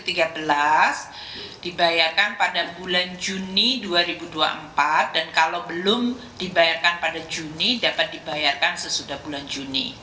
dibayarkan pada bulan juni dua ribu dua puluh empat dan kalau belum dibayarkan pada juni dapat dibayarkan sesudah bulan juni